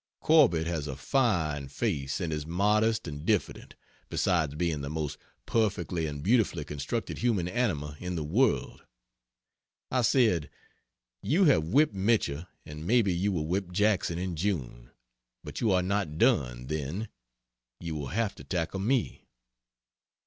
Corbett has a fine face and is modest and diffident, besides being the most perfectly and beautifully constructed human animal in the world. I said: "You have whipped Mitchell, and maybe you will whip Jackson in June but you are not done, then. You will have to tackle me."